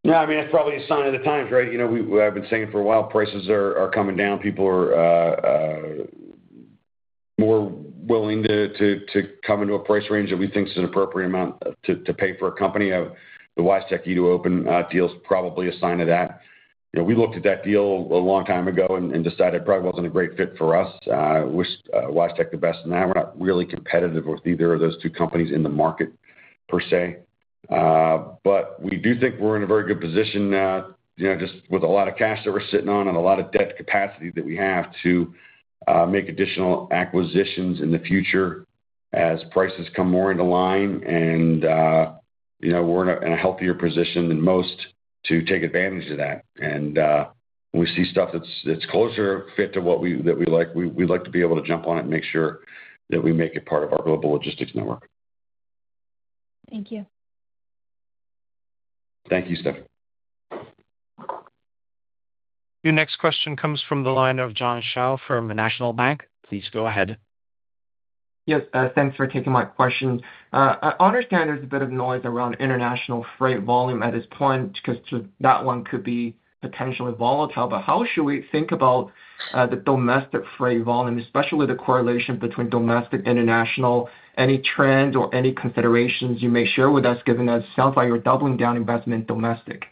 Yeah, I mean, it's probably a sign of the times, right? I've been saying for a while, prices are coming down. People are more willing to come into a price range that we think is an appropriate amount to pay for a company. The WiseTech E2Open deal is probably a sign of that. We looked at that deal a long time ago and decided it probably wasn't a great fit for us. Wish Wise Tech the best in that. We're not really competitive with either of those two companies in the market per se. We do think we're in a very good position just with a lot of cash that we're sitting on and a lot of debt capacity that we have to make additional acquisitions in the future as prices come more into line. We are in a healthier position than most to take advantage of that. When we see stuff that's a closer fit to what we like, we'd like to be able to jump on it and make sure that we make it part of our global logistics network. Thank you. Thank you, Stephanie. Your next question comes from the line of John Shao from the National Bank. Please go ahead. Yes. Thanks for taking my question. I understand there's a bit of noise around international freight volume at this point because that one could be potentially volatile. How should we think about the domestic freight volume, especially the correlation between domestic and international? Any trends or any considerations you may share with us given that it sounds like you're doubling down investment domestic?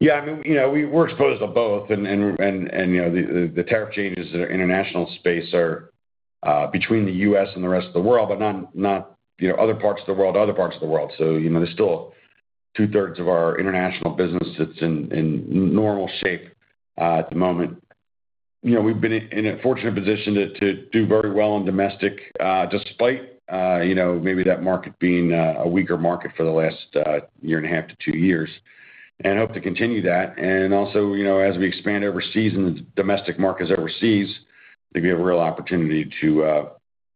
Yeah. I mean, we're exposed to both. The tariff changes in the international space are between the U.S. and the rest of the world, but not other parts of the world, other parts of the world. There's still two-thirds of our international business that's in normal shape at the moment. We've been in a fortunate position to do very well in domestic despite maybe that market being a weaker market for the last year and a half to two years. I hope to continue that. Also, as we expand overseas and the domestic markets overseas, I think we have a real opportunity to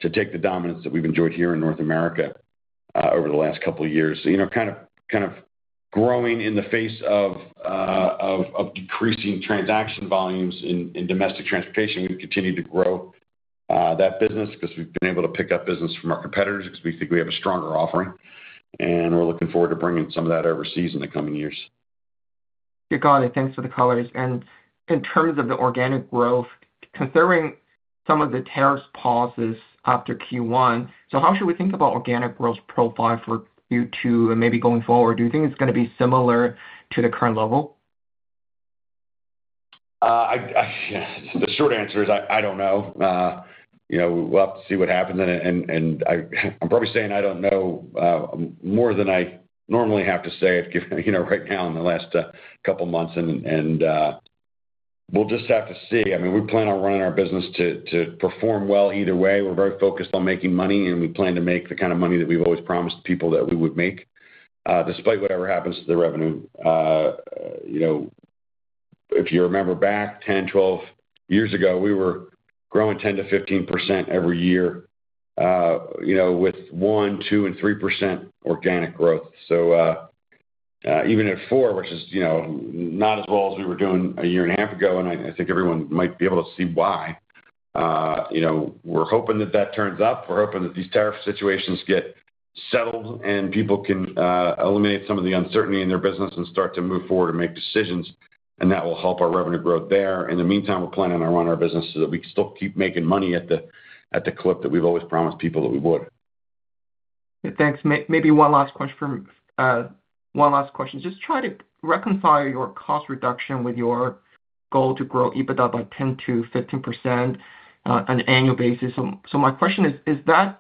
take the dominance that we've enjoyed here in North America over the last couple of years. Kind of growing in the face of decreasing transaction volumes in domestic transportation, we have continued to grow that business because we have been able to pick up business from our competitors because we think we have a stronger offering. We are looking forward to bringing some of that overseas in the coming years. Yeah, got it. Thanks for the colors. In terms of the organic growth, considering some of the tariffs pauses after Q1, how should we think about organic growth profile for Q2 and maybe going forward? Do you think it's going to be similar to the current level? The short answer is I don't know. We'll have to see what happens. I'm probably saying I don't know more than I normally have to say right now in the last couple of months. We'll just have to see. I mean, we plan on running our business to perform well either way. We're very focused on making money, and we plan to make the kind of money that we've always promised people that we would make despite whatever happens to the revenue. If you remember back 10-12 years ago, we were growing 10%-15% every year with 1, 2, and 3% organic growth. Even at 4, which is not as well as we were doing a year and a half ago, and I think everyone might be able to see why. We're hoping that that turns up. We're hoping that these tariff situations get settled and people can eliminate some of the uncertainty in their business and start to move forward and make decisions. That will help our revenue growth there. In the meantime, we're planning on running our business so that we can still keep making money at the clip that we've always promised people that we would. Thanks. Maybe one last question. Just try to reconcile your cost reduction with your goal to grow EBITDA by 10%-15% on an annual basis. My question is, is the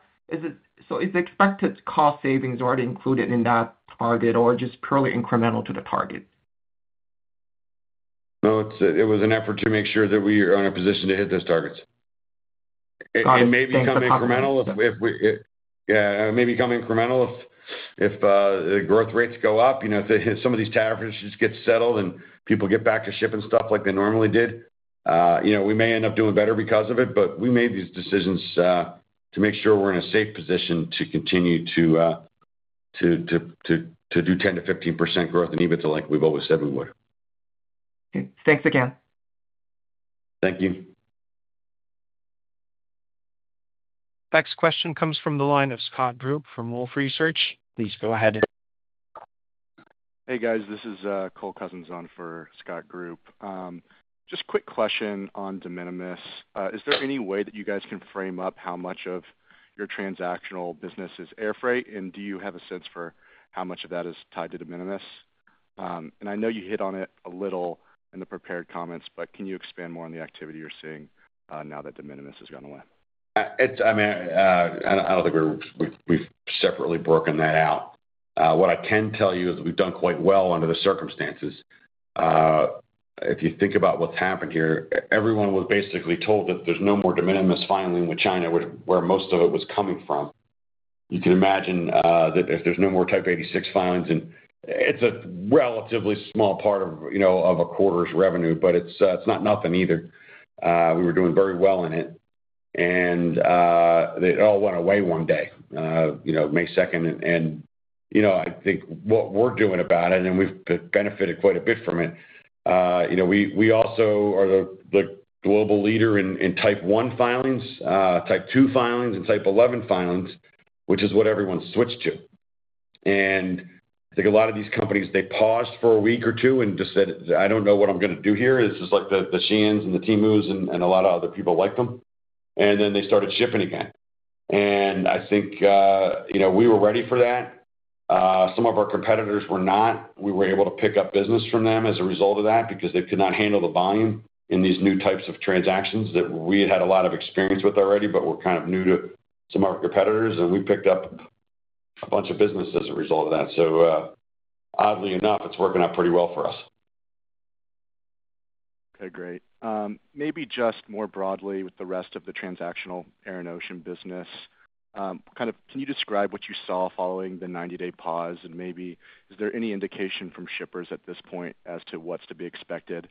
expected cost savings already included in that target or just purely incremental to the target? No, it was an effort to make sure that we are in a position to hit those targets. Got it. Thanks. Maybe come incremental if the growth rates go up. If some of these tariffs just get settled and people get back to shipping stuff like they normally did, we may end up doing better because of it. We made these decisions to make sure we're in a safe position to continue to do 10%-15% growth in EBITDA like we've always said we would. Okay. Thanks again. Thank you. Next question comes from the line of Scott Pagan from Wolfe Research. Please go ahead. Hey, guys. This is Cole Couzens for Scott Group. Just a quick question on de minimis. Is there any way that you guys can frame up how much of your transactional business is air freight? And do you have a sense for how much of that is tied to de minimis? I know you hit on it a little in the prepared comments, but can you expand more on the activity you're seeing now that de minimis has gone away? I mean, I don't think we've separately broken that out. What I can tell you is we've done quite well under the circumstances. If you think about what's happened here, everyone was basically told that there's no more de minimis filing with China where most of it was coming from. You can imagine that if there's no more Type 86 filings, and it's a relatively small part of a quarter's revenue, but it's not nothing either. We were doing very well in it. It all went away one day, May 2nd. I think what we're doing about it, and we've benefited quite a bit from it. We also are the global leader in Type 1 filings, Type 2 filings, and Type 11 filings, which is what everyone switched to. I think a lot of these companies, they paused for a week or two and just said, "I don't know what I'm going to do here." It's just like the Sheins and the Temus and a lot of other people like them. They started shipping again. I think we were ready for that. Some of our competitors were not. We were able to pick up business from them as a result of that because they could not handle the volume in these new types of transactions that we had had a lot of experience with already, but were kind of new to some of our competitors. We picked up a bunch of business as a result of that. Oddly enough, it's working out pretty well for us. Okay, great. Maybe just more broadly with the rest of the transactional air and ocean business, can you describe what you saw following the 90-day pause? Maybe is there any indication from shippers at this point as to what's to be expected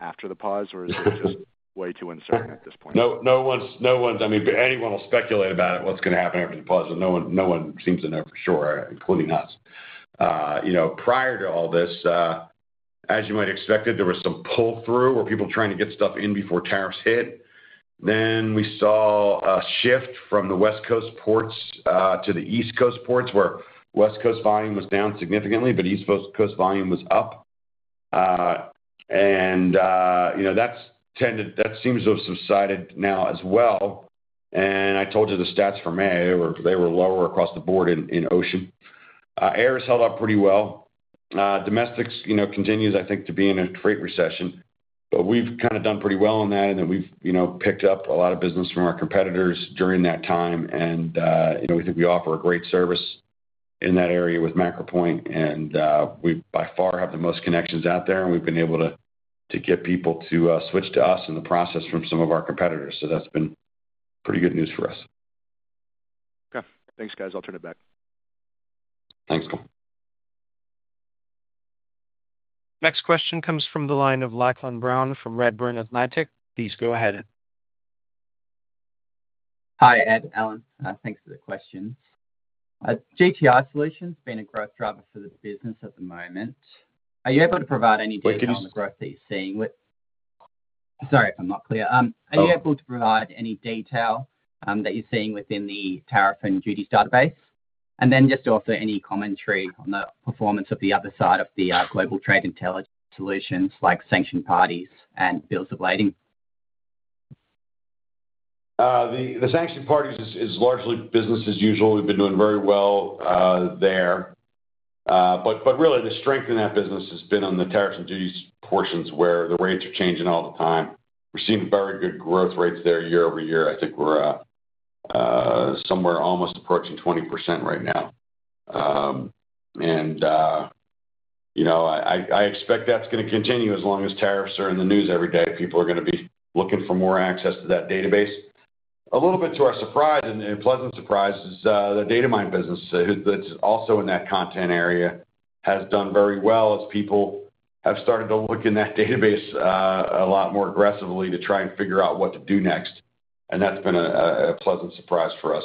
after the pause, or is it just way too uncertain at this point? No one's—I mean, anyone will speculate about what's going to happen after the pause. No one seems to know for sure, including us. Prior to all this, as you might expect, there was some pull-through where people were trying to get stuff in before tariffs hit. Then we saw a shift from the West Coast ports to the East Coast ports where West Coast volume was down significantly, but East Coast volume was up. That seems to have subsided now as well. I told you the stats for May. They were lower across the board in ocean. Air has held up pretty well. Domestics continues, I think, to be in a freight recession. We've kind of done pretty well on that. Then we've picked up a lot of business from our competitors during that time. We think we offer a great service in that area with MacroPoint. We by far have the most connections out there. We have been able to get people to switch to us in the process from some of our competitors. That has been pretty good news for us. Okay. Thanks, guys. I'll turn it back. Thanks, Cole. Next question comes from the line of Lachlan Brown from Redburn Atlantic. Please go ahead. Hi, Ed, Allan. Thanks for the question. JTR Solutions being a growth driver for the business at the moment. Are you able to provide any detail on the growth that you're seeing with—sorry if I'm not clear. Are you able to provide any detail that you're seeing within the tariff and duties database? Also, any commentary on the performance of the other side of the Global Trade Intelligence solutions like sanctioned parties and bills of lading? The sanctioned parties is largely business as usual. We've been doing very well there. Really, the strength in that business has been on the tariffs and duties portions where the rates are changing all the time. We're seeing very good growth rates there year over year. I think we're somewhere almost approaching 20% right now. I expect that's going to continue as long as tariffs are in the news every day. People are going to be looking for more access to that database. A little bit to our surprise and pleasant surprise is the data mine business that's also in that content area has done very well as people have started to look in that database a lot more aggressively to try and figure out what to do next. That's been a pleasant surprise for us.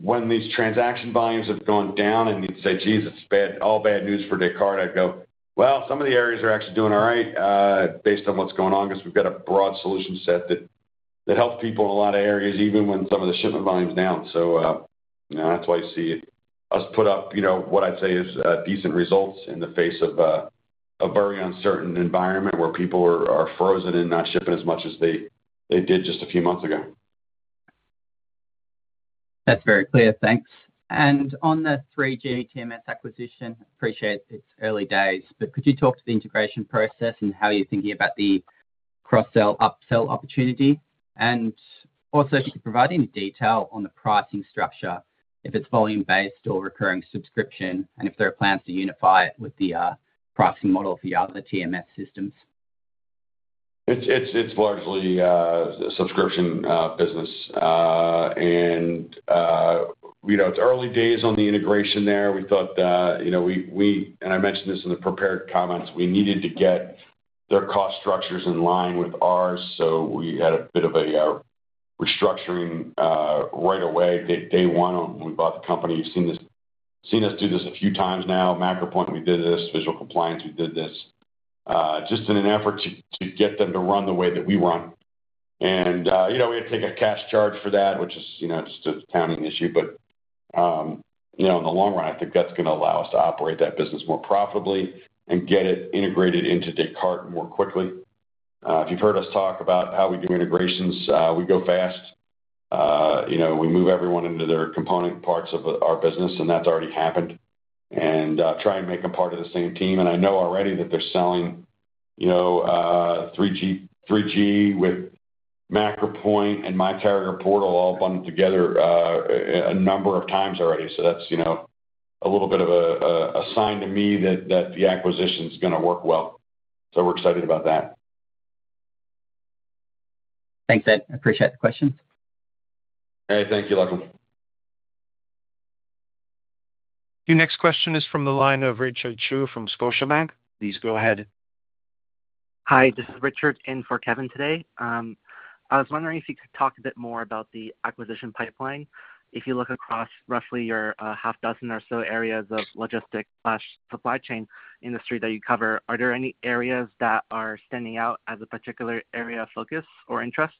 When these transaction volumes have gone down and you'd say, "Jeez, it's all bad news for Descartes," I'd go, "Well, some of the areas are actually doing all right based on what's going on because we've got a broad solution set that helps people in a lot of areas even when some of the shipment volume's down." That's why you see us put up what I'd say is decent results in the face of a very uncertain environment where people are frozen and not shipping as much as they did just a few months ago. That's very clear. Thanks. On the 3GTMS acquisition, appreciate its early days. Could you talk to the integration process and how you're thinking about the cross-sell upsell opportunity? Also, could you provide any detail on the pricing structure, if it's volume-based or recurring subscription, and if there are plans to unify it with the pricing model for your other TMS systems? It's largely a subscription business. It's early days on the integration there. We thought that we—and I mentioned this in the prepared comments—we needed to get their cost structures in line with ours. We had a bit of a restructuring right away. Day one, we bought the company. You've seen us do this a few times now. MacroPoint, we did this. Visual Compliance, we did this. Just in an effort to get them to run the way that we run. We had to take a cash charge for that, which is just a timing issue. In the long run, I think that's going to allow us to operate that business more profitably and get it integrated into Descartes more quickly. If you've heard us talk about how we do integrations, we go fast. We move everyone into their component parts of our business, and that has already happened. Try and make them part of the same team. I know already that they are selling 3GTMS with MacroPoint and MyCarrierPortal all bundled together a number of times already. That is a little bit of a sign to me that the acquisition is going to work well. We are excited about that. Thanks, Ed. I appreciate the questions. Hey, thank you, Lachlan. Your next question is from the line of Richard Chu from Scotiabank. Please go ahead. Hi, this is Richard in for Kevin today. I was wondering if you could talk a bit more about the acquisition pipeline. If you look across roughly your half dozen or so areas of logistics/supply chain industry that you cover, are there any areas that are standing out as a particular area of focus or interest?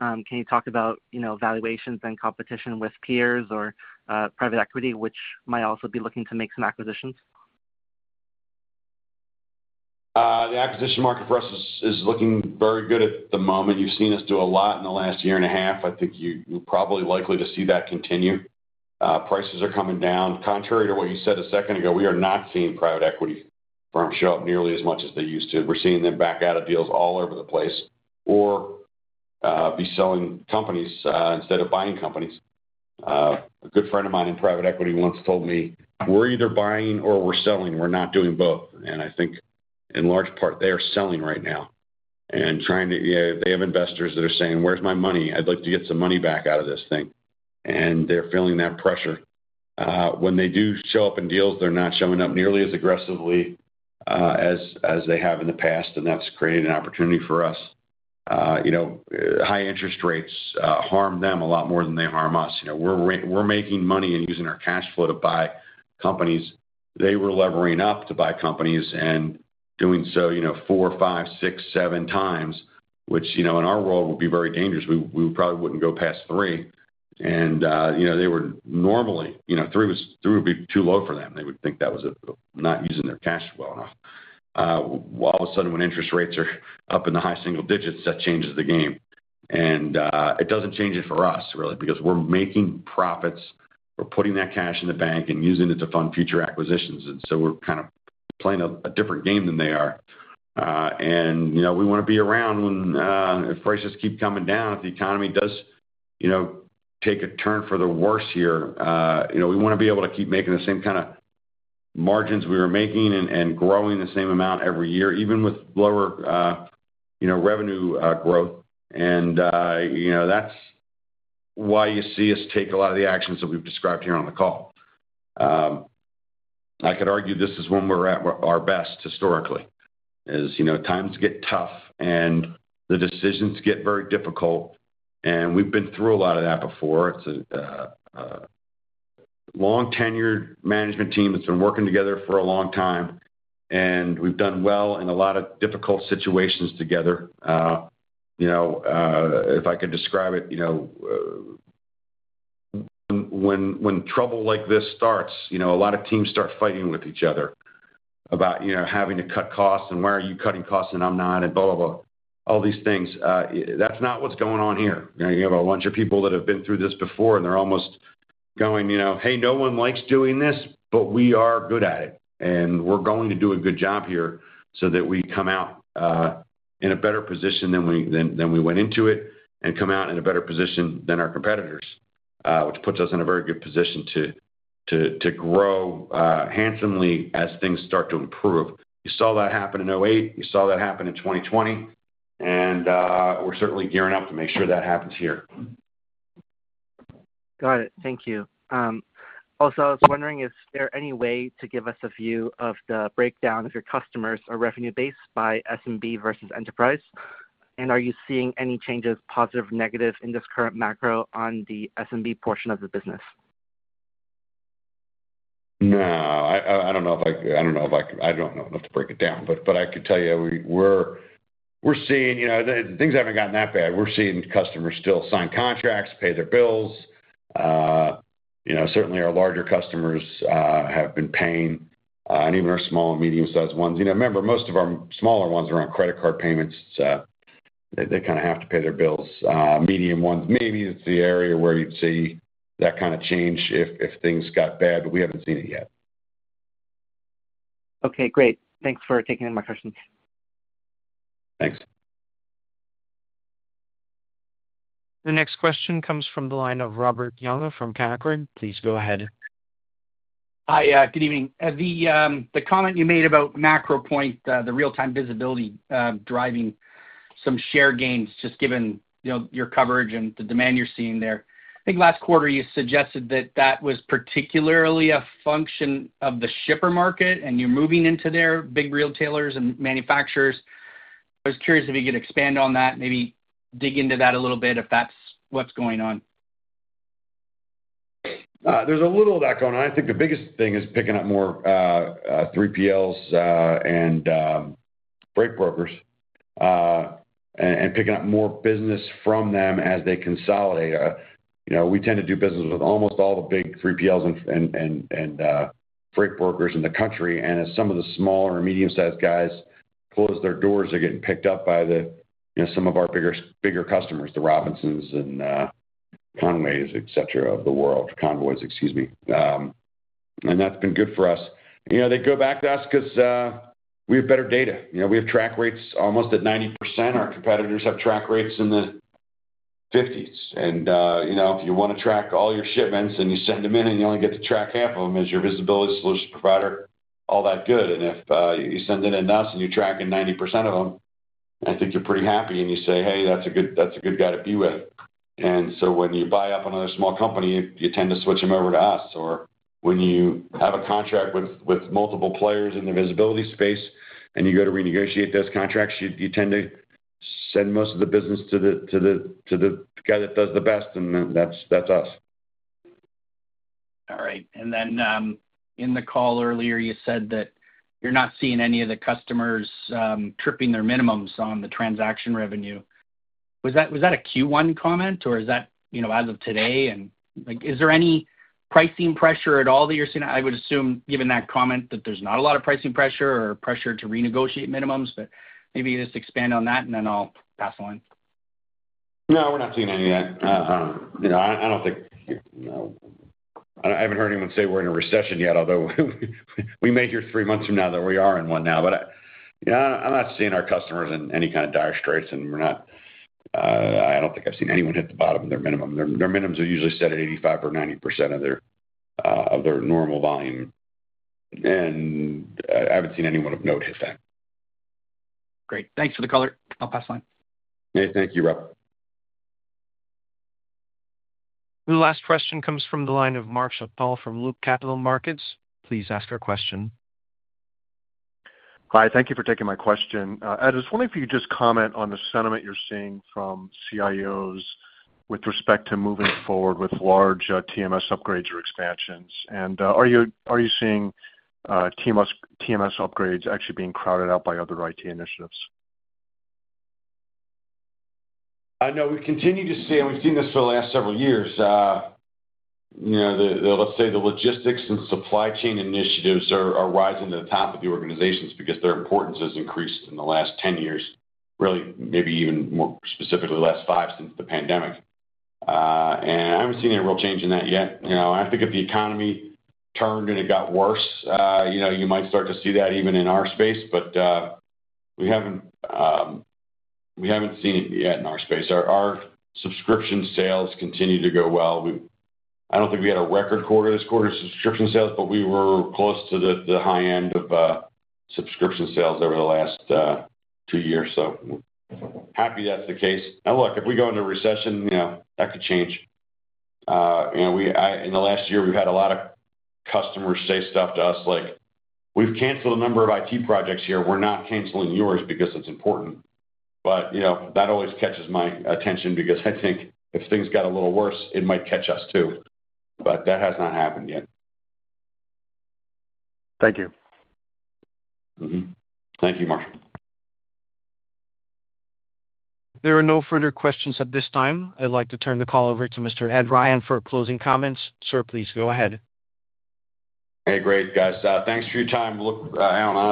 Can you talk about valuations and competition with peers or private equity, which might also be looking to make some acquisitions? The acquisition market for us is looking very good at the moment. You've seen us do a lot in the last year and a half. I think you're probably likely to see that continue. Prices are coming down. Contrary to what you said a second ago, we are not seeing private equity firms show up nearly as much as they used to. We're seeing them back out of deals all over the place or be selling companies instead of buying companies. A good friend of mine in private equity once told me, "We're either buying or we're selling. We're not doing both." I think in large part, they are selling right now. They have investors that are saying, "Where's my money? I'd like to get some money back out of this thing." They're feeling that pressure. When they do show up in deals, they're not showing up nearly as aggressively as they have in the past. That has created an opportunity for us. High interest rates harm them a lot more than they harm us. We're making money and using our cash flow to buy companies. They were levering up to buy companies and doing so four, five, six, seven times, which in our world would be very dangerous. We probably wouldn't go past three. Three would be too low for them. They would think that was not using their cash well enough. All of a sudden, when interest rates are up in the high single digits, that changes the game. It does not change it for us, really, because we're making profits. We're putting that cash in the bank and using it to fund future acquisitions. We are kind of playing a different game than they are. We want to be around if prices keep coming down, if the economy does take a turn for the worse here. We want to be able to keep making the same kind of margins we were making and growing the same amount every year, even with lower revenue growth. That is why you see us take a lot of the actions that we have described here on the call. I could argue this is when we are at our best historically, as times get tough and the decisions get very difficult. We have been through a lot of that before. It is a long-tenured management team that has been working together for a long time. We have done well in a lot of difficult situations together. If I could describe it, when trouble like this starts, a lot of teams start fighting with each other about having to cut costs and, "Why are you cutting costs and I'm not?" and blah, blah, blah, all these things. That is not what is going on here. You have a bunch of people that have been through this before, and they are almost going, "Hey, no one likes doing this, but we are good at it. And we are going to do a good job here so that we come out in a better position than we went into it and come out in a better position than our competitors," which puts us in a very good position to grow handsomely as things start to improve. You saw that happen in 2008. You saw that happen in 2020. We are certainly gearing up to make sure that happens here. Got it. Thank you. Also, I was wondering, is there any way to give us a view of the breakdown of your customers or revenue base by SMB versus enterprise? Are you seeing any changes, positive or negative, in this current macro on the SMB portion of the business? No. I don't know if I—I don't know enough to break it down. I could tell you we're seeing things haven't gotten that bad. We're seeing customers still sign contracts, pay their bills. Certainly, our larger customers have been paying. Even our small and medium-sized ones, remember, most of our smaller ones are on credit card payments. They kind of have to pay their bills. Medium ones, maybe it's the area where you'd see that kind of change if things got bad. We haven't seen it yet. Okay, great. Thanks for taking in my questions. Thanks. The next question comes from the line of Robert Young from Canaccord. Please go ahead. Hi, good evening. The comment you made about MacroPoint, the real-time visibility driving some share gains, just given your coverage and the demand you're seeing there. I think last quarter you suggested that that was particularly a function of the shipper market and you're moving into their big retailers and manufacturers. I was curious if you could expand on that, maybe dig into that a little bit if that's what's going on. There's a little of that going on. I think the biggest thing is picking up more 3PLs and freight brokers and picking up more business from them as they consolidate. We tend to do business with almost all the big 3PLs and freight brokers in the country. As some of the smaller and medium-sized guys close their doors, they're getting picked up by some of our bigger customers, the Robinsons and Convoys, etc., of the world—Convoys, excuse me. That's been good for us. They go back to us because we have better data. We have track rates almost at 90%. Our competitors have track rates in the 50s. If you want to track all your shipments and you send them in and you only get to track half of them as your visibility solution provider, all that good. If you send it in to us and you track in 90% of them, I think you're pretty happy. You say, "Hey, that's a good guy to be with." When you buy up another small company, you tend to switch them over to us. When you have a contract with multiple players in the visibility space and you go to renegotiate those contracts, you tend to send most of the business to the guy that does the best. That's us. All right. In the call earlier, you said that you're not seeing any of the customers tripping their minimums on the transaction revenue. Was that a Q1 comment, or is that as of today? Is there any pricing pressure at all that you're seeing? I would assume, given that comment, that there's not a lot of pricing pressure or pressure to renegotiate minimums. Maybe just expand on that, and then I'll pass the line. No, we're not seeing any of that. I don't think I haven't heard anyone say we're in a recession yet, although we measure three months from now that we are in one now. I am not seeing our customers in any kind of dire straits. I don't think I've seen anyone hit the bottom of their minimum. Their minimums are usually set at 85% or 90% of their normal volume. I haven't seen anyone of note hit that. Great. Thanks for the call. I'll pass the line. Hey, thank you, Rob. The last question comes from the line of Mark Schappel from Loop Capital Markets. Please ask your question. Hi, thank you for taking my question. I was wondering if you could just comment on the sentiment you're seeing from CIOs with respect to moving forward with large TMS upgrades or expansions. Are you seeing TMS upgrades actually being crowded out by other IT initiatives? No, we continue to see—and we've seen this for the last several years—let's say the logistics and supply chain initiatives are rising to the top of the organizations because their importance has increased in the last 10 years, really, maybe even more specifically the last five since the pandemic. I haven't seen a real change in that yet. I think if the economy turned and it got worse, you might start to see that even in our space. We haven't seen it yet in our space. Our subscription sales continue to go well. I don't think we had a record quarter this quarter in subscription sales, but we were close to the high end of subscription sales over the last two years. I'm happy that's the case. Now, look, if we go into a recession, that could change. In the last year, we've had a lot of customers say stuff to us like, "We've canceled a number of IT projects here. We're not canceling yours because it's important." That always catches my attention because I think if things got a little worse, it might catch us too. That has not happened yet. Thank you. Thank you, Mark. There are no further questions at this time. I'd like to turn the call over to Mr. Ed Ryan for closing comments. Sir, please go ahead. Hey, great, guys. Thanks for your time. I'll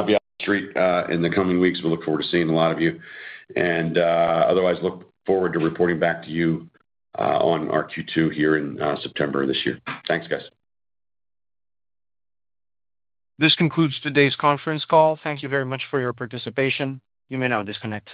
be out of the street in the coming weeks. We look forward to seeing a lot of you. We look forward to reporting back to you on our Q2 here in September this year. Thanks, guys. This concludes today's conference call. Thank you very much for your participation. You may now disconnect.